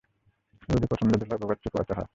রোদে প্রচণ্ড ধুলায় ভোগান্তি পোহাতে হয়।